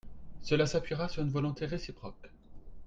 Cela s’appuiera sur une volonté réciproque.